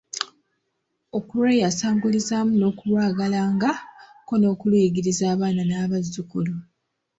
Okulweyasangulizaamu n’okulwagalanga ko n’okuluyigiriza abaana n’abazzukulu